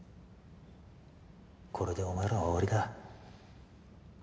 これでお前らは終わりだ。